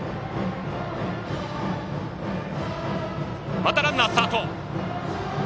また、ランナースタート。